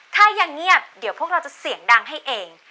ถ้ายังเงียบเดี๋ยวพวกเราจะเสียงดังให้เอง